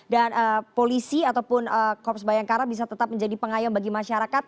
dan polisi ataupun korps bayangkara bisa tetap menjadi pengayam bagi masyarakat